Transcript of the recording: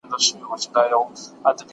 نوي فکرونه د ټولنې په ګټه وي.